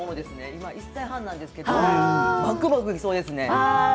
今１歳半なんですけれどもばくばく、いきそうですね。